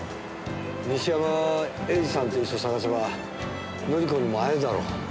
西山英司さんという人を捜せば紀子にも会えるだろう。